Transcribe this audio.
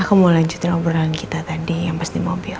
aku mau lanjut obrolan kita tadi yang pas di mobil